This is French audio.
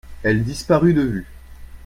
elle disparut de vue.